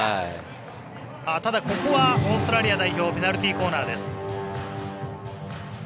ただここはオーストラリア代表ペナルティーコーナーです。